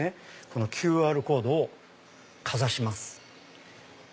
このＱＲコードをかざします。